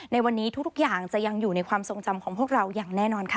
ในวันนี้ทุกอย่างจะยังอยู่ในความทรงจำของพวกเราอย่างแน่นอนค่ะ